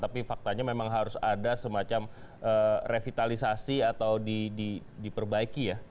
tapi faktanya memang harus ada semacam revitalisasi atau diperbaiki ya